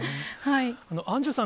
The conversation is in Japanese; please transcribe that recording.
アンジュさん